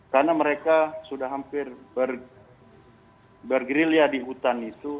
karena mereka sudah hampir bergerilya di hutan itu